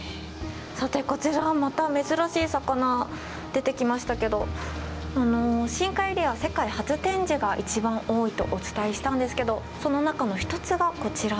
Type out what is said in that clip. さてこちらはまた珍しい魚出てきましたけど深海エリアは世界初展示が一番多いとお伝えしたんですけどその中の一つがこちらです。